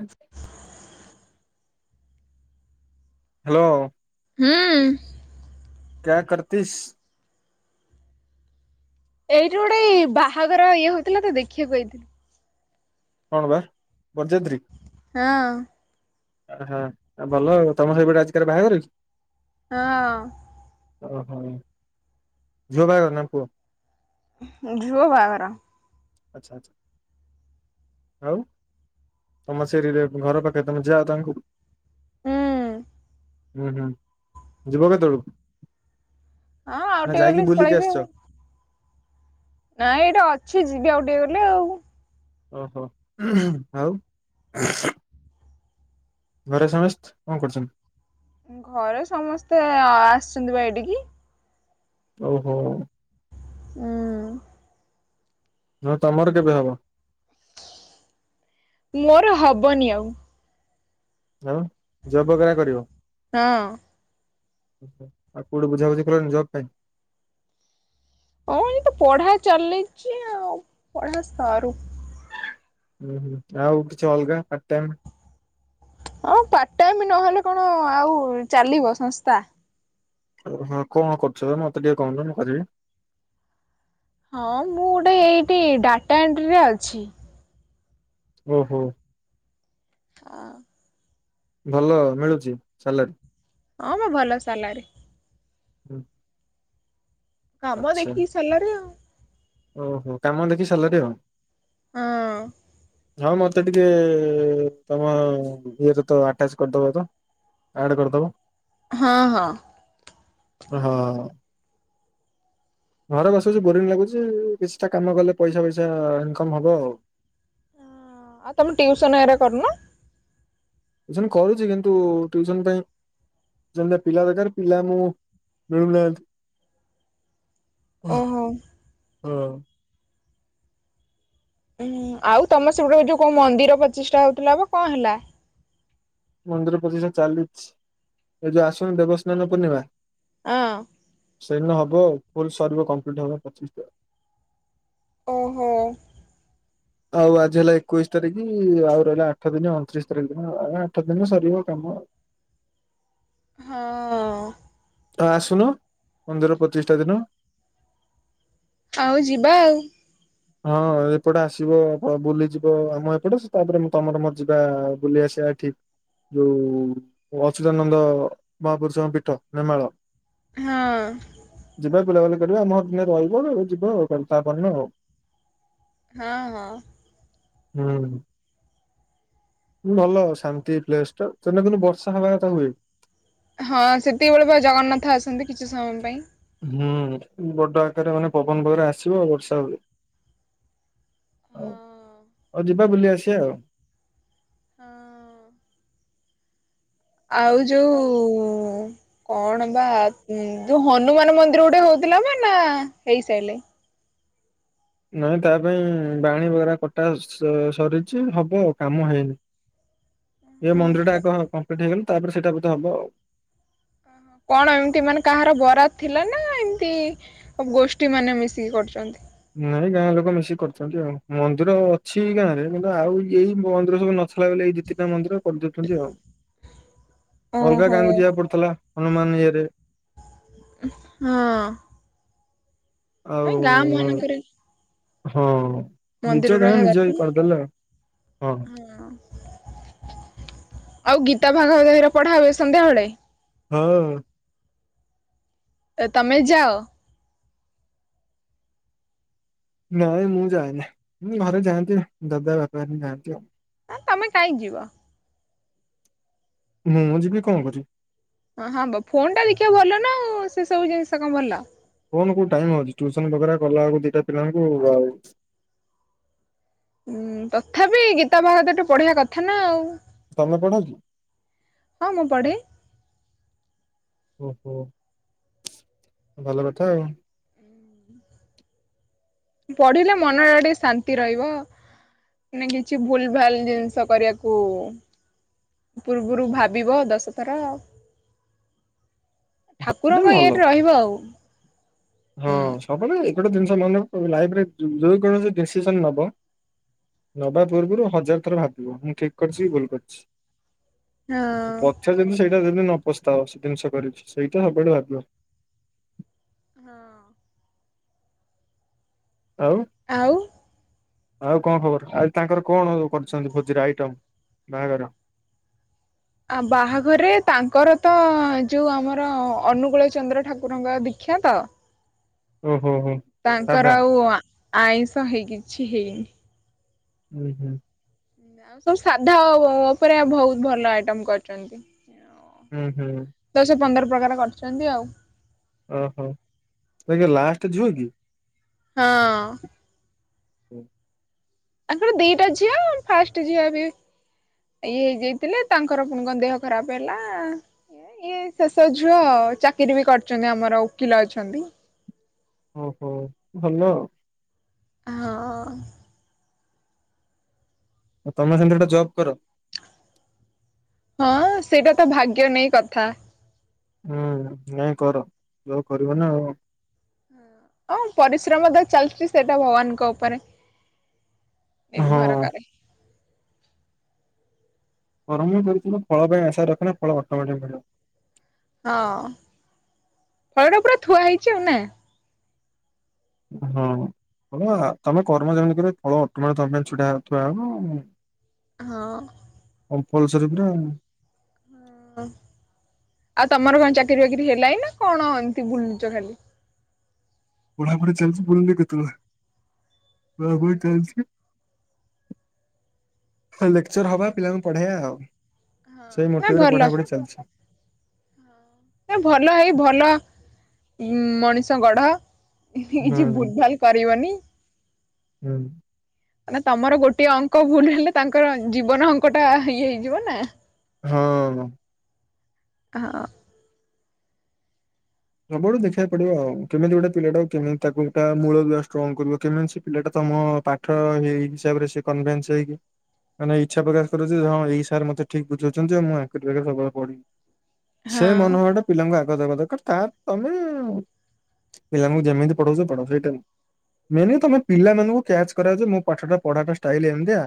ଆ hello. ହୁଁ। କ୍ୟା କରତିସ୍? ଏଇଠୁ ଗୋଟେ ଏଇ ବାହାଘର ଇଏ ହଉଥିଲା ତ ଦେଖିବାକୁ ଆଇଥିଲି। କଣ ବା ବରଯାତ୍ରୀ? ହଁ। ଓ ହା ଭଲ ତମ ସହିପଟେ ଆଜିକାଲି ବାହାଘର କି? ହଁ। ଓହୋ ଝିଅ ବାହାଘର ନା ପୁଅ? ଝିଅ ବାହାଘର। ଆଚ୍ଛା ଆଚ୍ଛା। ଆଉ ତମ ସେରିରେ ଘର ପାଖରେ ତମେ ଝିଅ ଆଦାଙ୍କୁ ହଁ ହୁଁ ହୁଁ ଯିବ କେତେବେଳୁ କୁ? ଆଉ ନା ଟିକେ ଗଲେ ଯାଇକି ବୁଲିକି ପଳେଇବି ଆଉ। ଆସିଛ। ନାଇଁ ଏଇଥି ଅଛି। ଯିବି ଆଉ ଟିକେ ଗଲେ ଆଉ। ଓହୋ ଆଉ ଘରେ ସମସ୍ତେ କଣ କରୁଛନ୍ତି? ଘରେ ସମସ୍ତେ ଆସିଛନ୍ତି ବା ଏଇଠିକି। ଓ ହୋ। ହୁଁ। ହଁ ତମର କେବେ ହବ? ମୋର ହବନି ଆଉ। ଆଉ ଜବକରା କରିବ। ହଁ। ଆଉ କୋଉଠୁ ବୁଝାବୁଝି କଲେଣି ଜବ ପାଇଁ? ହଁ ଏଇ ତ! ପଢ଼ା ଚାଲିଛି ଆଉ ପଢ଼ା ସରୁ। ହୁଁ ହୁଁ ଆଉ କିଛି ଅଲଗା ପାର୍ଟ ଟାଇମ୍? ହଁ ପାର୍ଟ ଟାଇମ୍ ନହେଲେ କଣ ଆଉ ଚାଲିବ ସଂସ୍ଥା। ଓ ହଁ କଣ କରୁଛ ଯେ ମତେ ଟିକେ କହୁନ ମୁଁ କରିବି? ହଁ ମୁଁ ଗୋଟେ ଏଇଠି ଡାଟା ଏଣ୍ଟ୍ରିରେ ଅଛି। ଓ ହୋ। ହଁ। ଭଲ ମିଳୁଛି ସାଲେର? ହଁ ମ ଭଲ ସାଲାରୀ? ହୁଁ। କାମ ଆଚ୍ଛା ଦେଖିକି ସାଲେରୀ ଆଉ। ଓହୋ କାମ ଦେଖିକି ସାଲେରୀ ଆଉ? ହଁ। ହଁ ମତେ ଟିକେ ତମ ଗୁଲୁଲୁ ସହିତ ଆଟାଚ କରିଦବ ତ? ଆଡ୍ କରିଦବ? ହଁ ହଁ। ଅ ହଁ। ଘରେ ବସି ବସି ବୋରିଂ ଲାଗୁଛି କିଛିଟା କାମ କଲେ ପଇସା ଫଇସା ଇନକମ୍ ହବ ଆଉ। ଆଉ ତମେ ଟିଉସନ ହେରା କରୁନ। ଯେ ମୁଁ କହୁଛି କିନ୍ତୁ ଟୁଇସନ ପାଇଁ ଯେମିତିଆ ପିଲାଦରକାର ପିଲାଆମକୁ ମିଳୁନାହାନ୍ତି। ଓହୋ। [unintelligible] ଉୁଁ ଆଉ ତମସେପଟେ ଏ ଯୋଉ କଣ ମନ୍ଦିର ପ୍ରଚିଷ୍ଠା ହଉଥିଲା ପା କଣହେଲା? ମନ୍ଦିର ପ୍ରତିଷ୍ଠା ଚାଲିଛି ଏଇଯୋଉ ଆସୁନି ଦେବସ୍ନାନପୂର୍ଣ୍ଣିମା ଆଁ। ସେଇଦିନ ହବଆଉ ଫୁଲସରିବ କମ୍ପ୍ଲିଟ୍ ହବ ପ୍ରତିଷ୍ଠା। ଓହୋ। ଆଉ ଆଜିହେଲା ଏକୋଇଶତାରିକି ଆଉ ରହିଲା ଆଠଦିନ ଅଣତିରିଶତାରିଖ ଦିନ ଆଉ ଆଠ ଦିନ ସରିିବ କାମ। ହଁ। ତମେ ଆସୁନ ମନ୍ଦିରପ୍ରତିଷ୍ଠା ଦିନ। ଆଉ ଯିବାଆଉ ହଁ ଏପଟେ ଆସିବ ପ ବୁଲିଯିବ ଆମ ଏପଟେ ସେ ତାପରେ ତମରମୋର ଯିବା ବୁଲି ଆସିବା ଏଠି ଯୋଉ ଅଚିତାନନ୍ଦ ମହାପୁରୁଷଙ୍କପୀଠ ନେମାଳ। ହଁ। ଯିବା ବୁଲାବୁଲି କରିବା ଆମ ଘରେ ଦିନେ ରହିବ ଯିବ ଆଉ କଣ ତାପରଦିନ ଆଉ। ହଁ ହଁ। ହୁଁ। ଭଲ ଶାନ୍ତିପ୍ଲେସଟା ସେଦିନ କିନ୍ତୁ ବର୍ଷା ହବାକଥା ହୁଏ। ହଁ ସେତିକିବେଳେ ପା ଜଗନ୍ନାଥ ଆସନ୍ତି କିଛିସମୟ ପାଇଁ। ହୁଁ ବଡଆକାରରେ ମାନେ ପବନବେଗରେ ଆସିବ ବର୍ଷା ହବ। ଆଉ ଯିବା ବୁଲିଆସିବା ଆଉ। ହଁ। ଆଉ ଯୋଉ କଣବା ଯୋଉ ହନୁମାନମନ୍ଦିର ଗୋଟେ ହଉଥିଲା ପା ନାହେଇସାରିଲାଣି। ନାଇଁ ତା ପାଇଁ ବାଣି ବଗେରା କଟା ସରିଛି ହବଆଉ କାମ ହେଇନି। ଏ ମନ୍ଦିରଟା ଆଗ କମ୍ପ୍ଲିଟ ହେଇଗଲେ ତାପରେ ସେଟା ବୋଧେ ହବଆଉ। କଣ ଏମିତି ମାନେ କାହାର ବରାଦ ଥିଲା ନା ଏମତି ଗୋଷ୍ଠୀମାନେ ମିଶିକି କରୁଛନ୍ତି। ନାଇଁ ଗାଁଲୋକ ମିଶିକି କରିଛନ୍ତି ଆଉ ମନ୍ଦିର ଅଛି ଗାଁରେ କିନ୍ତୁ ଆଉ ଏଇ ମନ୍ଦିର ସବୁନଥିଲା ବୋଲି ଦିଟାମନ୍ଦିର କରିଦେଉଛନ୍ତି ଆଉ, ଅଲଗା ଓହୋ ଗାଁକୁ ଯିବା କୁପଡୁଥିଲା ହନୁମାନ ଇଏରେ। ହଁ। ନାଇଁ ଗାଁ ଆଉ, ମାନଙ୍କରେ ହଁ। ମନ୍ଦିର ନିଜ ରହିବା ଗାଁ ନିଜେ ଦରକାର ଏଇ ନା। କରିଦେଲେ ଆଉ, ହଁ। ଆଉ ଗୀତାଭାଗବତ ପଢାହୁଏ ସନ୍ଧ୍ୟାବେଳେ? ହଁ। ତମେ ଯାଅ। ନାଇଁ ମୁଁ ଯାଏନି ଘରେ ଯାଆନ୍ତିଆଉ ଦାଦାବାପା ଯାଆନ୍ତିଆଉ। ନା ତମେ କାହିଁକି ଯିବ। ମୁଁ ଯିବି କଣକରିବି। ହ ହଁ ଫୋନ୍ ଟା ଦେଖିବା ଭଲନା ଆଉ ସେସବୁ ଜିନିଷ କଣ ଭଲ। ଫୋନ କୋଉଠିଟାଇମ ହଉଛି ଟୁସନବଗେରା କଲାବେଳକୁ ଦିଟା ପିଲାଙ୍କୁ ଆଉ ହୁଁ ତଥାପି ଗୀତାଭାଗବତ ଟିକେ ପଢିବା କଥା ନା ଆଉ। ତମେ ପଢକି? ହଁ ମୁଁ ପଢେ। ଓହୋ, ଭଲକଥା ଆଉ। [inaudible] ପଢ଼ିଲେ ମନଟା ଟିକେ ଶାନ ନ୍ତି ରହିବ ନା କିଛି ଭୁଲ ଭାଲ ଜିନିଷ କରିବାକୁ ପୂର୍ବରୁ ଭାବିବ ଦଶ ଥର। ସେଟା ବି ଠାକୁରଙ୍କ ଭଲ। ଇଏରେ ରହିବ ଆଉ ହୁଁ। ହବନି ଏ ଗୋଟେ ଜିନିଷ ମାନେ ଲାଇଫରେ ଯେକୌଣସି ଡିସିସନ ନବ ନବା ପୂର୍ବରୁ ହଜାର ଥର ଭାବିବ, ମୁଁ ଠିକ କରିଛି କି ଭୁଲ କରିଛି। ହଁ ପଛେ ଯେମିତି ସେଇଟା ଯେମିତି ନ ପସ୍ତାଅ ସେ ଜିନିଷ କରିଛି, ସେଇଟା ସବୁଆଡୁ ଭାବିବ। ହଁ। ଆଉ। ଆଉ ଆଉ କଣ ଖବର ଆଜି ତାଙ୍କର କଣ କରିଛନ୍ତି ଭୋଜିର ଆଇଟମ ବାହାଘର? ଆ ବାହାଘରେ ତାଙ୍କର ତ ଯୋଉ ଆମର ଅନୁଗୂଳ ଚନ୍ଦ୍ର ଠାକୁରଙ୍କ ଦୀକ୍ଷା ତ। ଓ ହୋ ହୋ। ତାଙ୍କର ସାଧା ଆଉ ଆଇଁଷ ହେଇକି କିଛି ହେଇନି। ହୁଁ ହୁଁ। ଆଉ ସବୁ ସାଧା ଓ ଓପରେ ବହୁତ ଭଲ ଆଇଟମ କରିଛନ୍ତି। [unintelligible] ହୁଁ ହୁଁ। ଦଶ ପନ୍ଦର ପ୍ରକାର କରିଛନ୍ତି ଆଉ। ଓହୋ ଇଏ ଲାଷ୍ଟ ଝୀଅ କି? ହ ଅଁ। ହୁଁ। ତାଙ୍କର ଦିଟା ଝୀଅ ଫାଷ୍ଟ ଝିଅ ଏବେ ଇଏ ହେଇଯାଇଥିଲେ ତାଙ୍କର ପୁଣି କଣ ଦେହ ଖରାପ ହେଲା। ଇଏ ଶେଷ ଝୁଅ ଚାକିରି ବି କରିଛନ୍ତି ଆମର ଓକିଲ ଅଛନ୍ତି। ଓହୋ ଭଲ। ହ ଅଁ। ତମେ ସେମିତି ଗୋଟେ ଜବ୍ କର। ହଁ ସେଇଟା ତ ଭାଗ୍ୟ ନେଇ କଥା। ହୁଁ ନାଇଁ କର ଯୋଉ କରିବ ନା ଆଉ। ହଁ ପରିଶ୍ରମ ତ ଚାଲିଛି। ସେଟା ଭଗବାନଙ୍କ ଉପରେ ନିର୍ଭର ହଁ କରେ। କରମ କରୁଥିବା ଫଳ ପାଇଁ ଆଶା ରଖ ନା ଫଳ ଅଟୋମେଟିକ୍ ମିଳିବ। ହଁ ଫଳ ଟା ପୁରା ଥୁଆ ହୋଇଛି ଆଉ ନା। ହଁ। ହଁ ତମେ କର୍ମ ଯେମିତିରେ ଫଳ ଅଟୋମେଟିକ ତମେ ଛିଡା ହେଇ ଥୁଆ ହେବ। ହଁ। କମ୍ପଲସରି ପୁରା। ହ ଆଉ ତମର କଣ ଚାକିରି ବାକିରି ହେଲା ଇ ନା କଣ ଏମିତି ବୁଲୁଛ ଖାଲି। ପଢାପଢି ଚାଲିଛି। ବୁଲିଲି କେତେବେଳେ ପଢାପଢି ଚାଲିଛି। ହଁ ଲେକ୍ଚର ହବା ପିଲାଙ୍କୁ ପଢେଇବା। ସେଇ ହଁ ନା ମୋଟିଭରେ ଭଲ ପଢାପଢି ଚାଲିଛି। ଭଲ ହେଇ ଭଲ ମଣିଷ ଗଢ କିଛି ହୁଁ ଭୁଲଭାଲ କରିବନି। ହୁଁ। ମାନେ ତମର ଗୋଟିଏ ଅଙ୍କ ଭୁଲ ହେଲେ ତାଙ୍କର ଜୀବନ ଅଙ୍କ ଟା ଇଏ ହେଇଯିବ ନା। ହଁ। ହ ଅଁ। ସବୁଆଡୁ ଦେଖିବାକୁ ପଡିବ ଆଉ କେମିତି ଗୋଟେ ପିଲାଟା କେମିତି ତାକୁ ଗୋଟ ମୂଳ ଦଆ ଷ୍ଟ୍ରଙ୍ଗ କରିବ କେମିତି ସେ ପିଲାଟା ତମ ପା। ତ ହେଇ ହିସାବରେ ସେ କନଭେନ୍ସ ହେଇକି ମାନେ ଇଚ୍ଛା ପ୍ରକାଶ କରୁ ଯେ ହଁ ଏଇ ସାର୍ ମତେ ଠିକ ବୁଝାଉଛନ୍ତି। ମୁଁ ଆଙ୍କରି ପାଖରେ ସବୁବେଳେ ପଢିବି। ହଁ ସେ ମନଭାବ ଟା ପିଲାଙ୍କୁ ଆଗ ଦେଗ ଦରକାର ତା ତମେ। ପିଲାଙ୍କୁ ଯେମିତି ପଢଉଛ ପଢ ସେଇଟା ମେନ ତମେ ପିଲାମାନଙ୍କୁ କ୍ୟାଚ କରା ଯେ ମୁଁ ପାଠ ପଢା ଟା ଷ୍ଟାଇଲ୍ ଏମିତିଆ।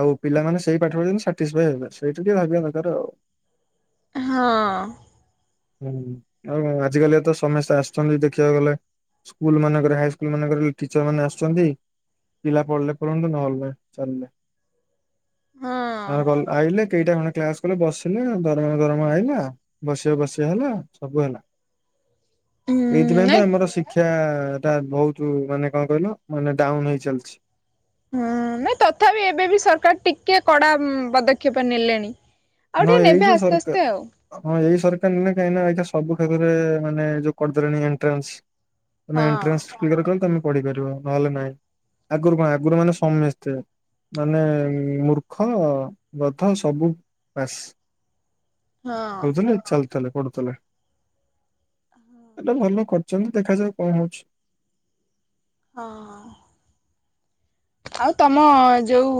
ଆଉ ପିଲାମାନେ ସେଇ ପାଠ ପଢ଼ି ସାଟିସିଫାଇ ହେବେ। ସେଇଟା ଟିକେ ଭାବିବା ଦରକାର ଆଉ। ହଁ। ହୁଁ ଆଉ ଆଜିକାଲି ତ ସମସ୍ତେ ଆସୁଛନ୍ତି ଦେଖିବାକୁ ଗଲେ। ସ୍କୁଲ ମାନଙ୍କରେ ହାଇ ସ୍କୁଲ ମାନଙ୍କରେ ଟିଚର ମାନେ ଆସୁଛନ୍ତି। ପିଲା ପଢିଲ ପନ୍ତ ନହଲେ ହଁ ଚାଲଲେ କ ଆଇଲେ। କେଇଟା ଖଣ୍ଡେ କ୍ଲାସ କଲେ ବସିଲେ ଦରମା ଦରମା ଆଇଲା ବସିବା ବସିବା ହେଲା ସବୁ ହେଲା। ଉଁ ଏଇଥିପାଇଁ ତ ନାଇଁ ଆମର ଶିକ୍ଷା ଟା ବହୁତ ମାନେ କଣ କହିଲ ମାନେ ଡାଉନ ହେଇ ଚାଲିଛି। ହୁଁ ନାଇଁ ତଥାପି ଏବେ ବି ସରକାର ଟିକେ କଡା ପଦକ୍ଷେପ ନେଲେଣି। ଆଉ ହଁ ଟିକିଏ ଏଇ ନେବେ ଯୋଉ ଆସ୍ତେ ସରକାର ଆସ୍ତେ ଆଉ। ହଁ ଏଇ ସରକାର ନେ କାହିଁକି ନା ସବୁ୍ଷେରେ ମାନେ ଯୋଉ କରିଦେଲେଣି ଏଣ୍ଟ୍ରାନ୍ସ। ତମେ ହଁ ଏଣ୍ଟ୍ରାନ୍ସ କ ତମେ ପଢିପାରିବ ନହେଲେ ନାଇଁ ଆଗରୁ କଣ ଆଗରୁ ମେ ସମସ୍ତେ ମାନେ ମୂର୍ଖ ଗଧ ସବୁ ବାସ୍ ହଁ ହଉ ତା ଚାଲ ତା ପ ଏଟା ଭଲ କରିଛନ୍ତି ଦେଖାଯାଉ କଣ ହଉଛି? ହଁ ଆଉ ତମ ଯୋଉ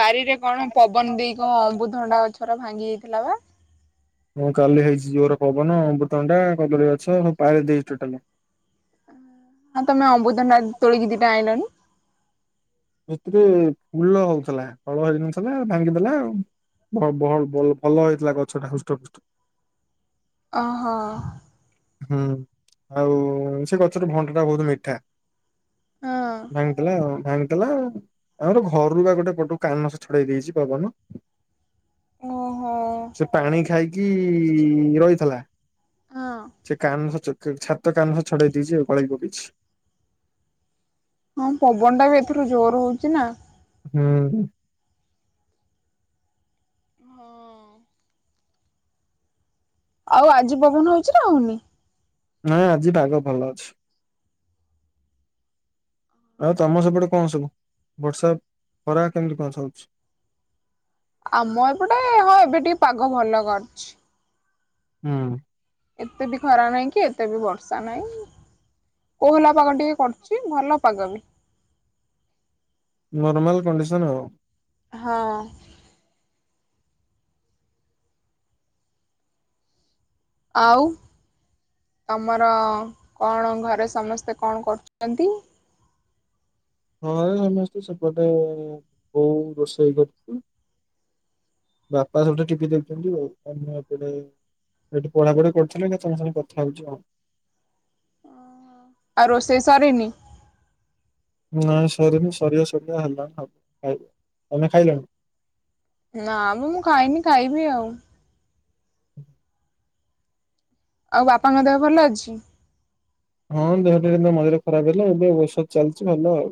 ବାରିରେ କଣ ପବନ ଦେଇ କଣ ଅମ୍ବୁଧଣ୍ଡା ଗଛର ଭାଙ୍ଗି ଯାଇଥିଲା ବା। ହଁ କାଲି ହେଇଛି ଯୋରେ ପବନ ଅମବୃତମଣ୍ଡା କଦଳୀ ଗଛ ସବୁ ପାରେ ଦେଇଛି ଟୋଟାଲେ। ହଁ ତମ ଅମବୃତମଣ୍ଡା ତୋଳିକି ଦିଟା ଆଇଲନି। ସେଥିରେ ଫୁଲ ହଉଥିଲା ଫଳ ହେଇନଥିଲା ଭାଙ୍ଗିଦେଲା ଆଉ। ଭ-ଭ-ଭ-ଭଲ ହେଇଥିଲା ଗଛଟା ହୃଷ୍ଟ ପୃଷ୍ଟ। ଓହୋ। ହୁଁ ଆଉ ସେ ଗଛର ଭଣ୍ଡା ଟା ବହୁତ ମିଠା। ହଁ ଭାଙ୍ଗି ଦେଲା ଆଉ। ଭାଙ୍ଗି ହେଲା ଆମର ଘରୁ ବା ଗୋଟେ ପଟୁ କାନସ ଛଡେଇ ଦେଇଛି ପବନ। ଓହୋ ସେ ପାଣି ଖାଇକି ରହିଥିଲା। ହଁ। ସେ କାନ ଛାତ କାନ ଛଡେଇ ଦେଇଛି ଗଳେଇ ପକେଇଛି। ହଁ ପବନ ଟା ବି ଏଥିରୁ ଜୋର ହଉଛି ନା। ହୁଁ। ହଁ। ଆଉ ଆଜି ପବନ ହଉଛି ନା ହଉନି? ନାଇ ଆଜି ପାଗ ଭଲ ଅଛି। ଆଉ ତମ ସେପଟେ କଣ ସବୁ ବର୍ଷା ଖରା କେମିତି କଣ ଚାଲୁଚି? ଆମ ଏପଟେ ହଁ ଏବେ ଟିକେ ପାଗ ଭଲ କରିଛି। ହୁଁ। ଏତେ ବି ଖରା ନାହିଁ। କି ଏତେ ବି ବର୍ଷା ନାହିଁ। କୋହଲା ପାଗ ଟିକେ କରୁଛି। ଭଲ ପାଗ ବି। ନର୍ମାଲ କଣ୍ଡିସନ ଆଉ। ହଁ। ଆଉ ତମର କଣ ଘରେ ସମସ୍ତେ କଣ କରୁଛନ୍ତି? ହଁ ସମସ୍ତେ ସେପଟେ ବୋଉ ରୋଷେଇ କରୁଛି। ବାପା ସବୁଠୁ ଟିଭି ଦେଖୁଛନ୍ତି ଆଉ। ଆମେ ଏପଟେ ସେଇଠି ପଢାପଢି କରୁଥିଲେ। ଏଇନା ତମ ସାଙ୍ଗେ କଥା ହଉଛି ଆଉ। ଆଉ ରୋଷେଇ ସରିନି। ନାଇଁ ସରିନି ସରିବା ସରିଆ ହେଲାଣି ଆଉ। ଖାଇବି ତମେ ଖାଇଲଣି? ନା ମ ମୁଁ ଖାଇନି ଖାଇବି ଆଉ। [inaudible] ଆଉ ବାପାଙ୍କ ଦେହ ଭଲ ଅଛି। ହଁ ଦେହଟା ମଝିରେ ଖରାପ ହେଲା। ଏବେ ଔଷଧ ଚାଲିଛି ଭଲ ଆଉ।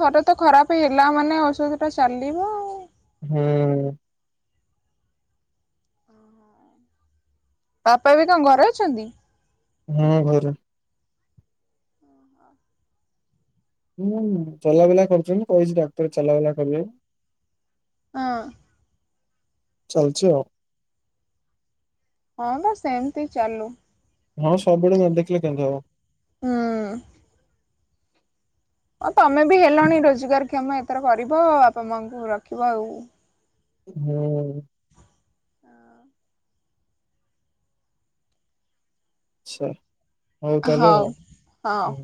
ଥରେ ତ ଖରାପ ହେଲା ମାନେ ଔଷଧ ଟା ଚାଲିବ ଆଉ। ହୁଁ। ବାପା ବି କଣ ଘରେ ଅଛନ୍ତି? ହୁଁ ଘରେ। ହୁଁ ଚଲାବୁଲା କରୁଛନ୍ତି କହିଛି ଡାକ୍ତର ଚଲାବୁଲା କରିବେ। ଅ ଚାକିଛି ଆଉ। ହଁ ବା ସେମତି ଚାଲୁ। ହଁ ସବୁବେଳେ ନ ଦେଖିଲେ କେମିତି ହବ। ହୁଁ। ହଁ ତମେ ବି ହେଲଣି ରୋଜଗାର କ୍ଷମ ଏଥର କରିବ ବାପା ମାଙ୍କୁ ରଖିବ ଆଉ। ହୁଁ। ହଁ। ଆଚ୍ଛା ହଉ ତାହେଲେ ଆଉ ହଁ ହୁଁ।